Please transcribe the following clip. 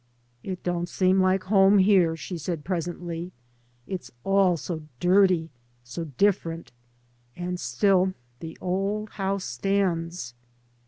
" It don't seem like home here," she said presently. " It's all so dirty, so different! And still the old house stands."